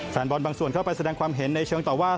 แฟนบอลบางส่วนเข้าไปแสดงความเห็นในเชิงต่อว่า